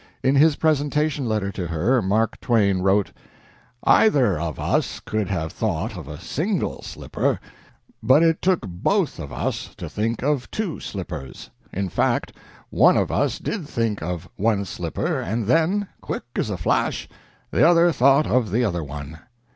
In his presentation letter to her, Mark Twain wrote: "Either of us could have thought of a single slipper, but it took both of us to think of two slippers. In fact, one of us did think of one slipper, and then, quick as a flash, the other thought of the other one."